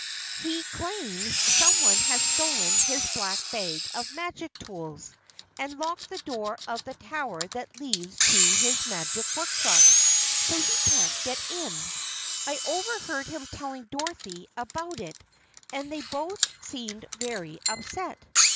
He claims someone has stolen his Black Bag of Magic Tools and locked the door of the tower that leads to his magic workshop so he can't get in. I overheard him telling Dorothy about it and they both seemed very upset.